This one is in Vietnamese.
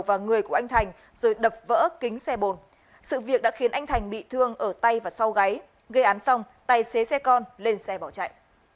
và người của anh thành rồi đập vỡ kính xe bồn sự việc đã khiến anh thành bị thương ở tay và sau gáy gây án xong tài xế xe con lên xe bỏ chạy